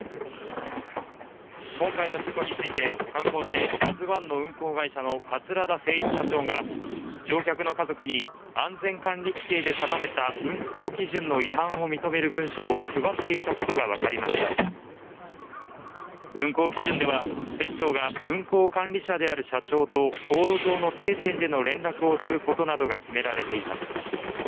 今回の事故について観光船「ＫＡＺＵ１」の運航会社の桂田精一社長が乗客の家族に安全管理規程で定めた運航基準の違反を認める文書を配っていたことが分かりました運航基準では船長が運航管理者である社長と航路上の定点での連絡を取ることなどが決められています